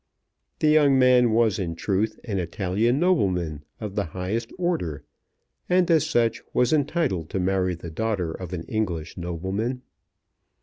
The young man was in truth an Italian nobleman of the highest order, and as such was entitled to marry the daughter of an English nobleman.